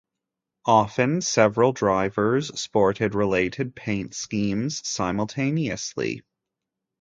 Often several drivers sported related paint schemes simultaneously.